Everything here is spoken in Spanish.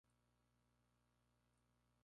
Nació en Ballarat, Australia.